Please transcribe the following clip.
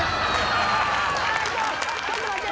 ちょっと待って。